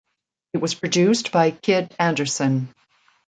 It was produced by Kid Andersen.